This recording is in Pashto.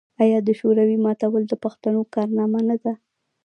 آیا د شوروي ماتول د پښتنو کارنامه نه ده؟